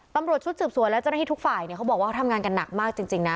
ตำรวจชุดสืบสวนและเจ้าหน้าที่ทุกฝ่ายเขาบอกว่าเขาทำงานกันหนักมากจริงนะ